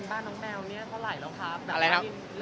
บ้านน้องแมวสรุปแพงกว่าบ้านผม